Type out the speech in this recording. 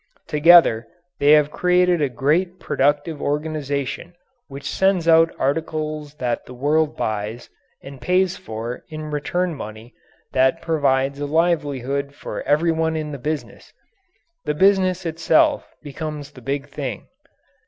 Together they have created a great productive organization which sends out articles that the world buys and pays for in return money that provides a livelihood for everyone in the business. The business itself becomes the big thing.